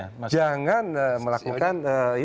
tapi jangan melakukan itu